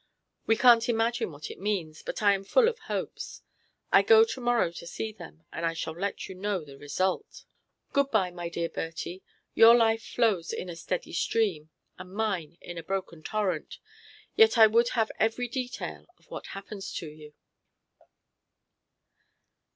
We can't imagine what it means, but I am full of hopes. I go to morrow morning to see them, and I shall let you know the result. Good bye, my dear Bertie! Your life flows in a steady stream, and mine in a broken torrent. Yet I would have every detail of what happens to you.